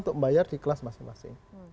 untuk membayar di kelas masing masing